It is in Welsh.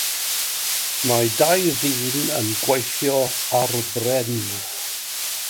Mae dau ddyn yn gweithio ar bren.